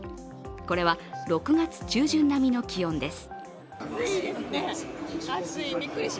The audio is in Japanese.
これは６月中旬並みの気温です。